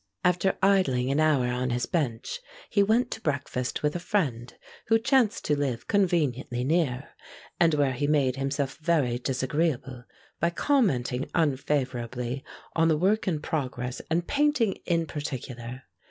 After idling an hour on his bench, he went to breakfast with a friend who chanced to live conveniently near, and where he made himself very disagreeable by commenting unfavorably on the work in progress and painting in particular.